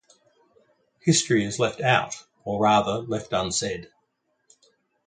History is left out, or rather, left unsaid.